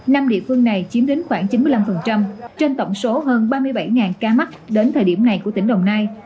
năm địa phương này chiếm đến khoảng chín mươi năm trên tổng số hơn ba mươi bảy ca mắc đến thời điểm này của tỉnh đồng nai